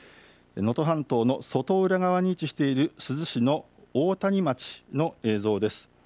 能登半島の外浦側に位置している珠洲市の大谷町の映像です。